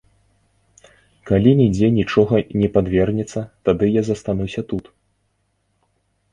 Калі нідзе нічога не падвернецца, тады я застануся тут.